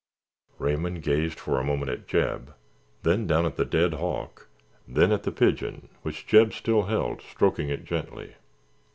Raymond gazed for a moment at Jeb, then down at the dead hawk, then at the pigeon which Jeb still held, stroking it gently.